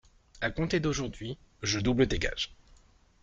A compter d’aujourd’hui, je double tes gages.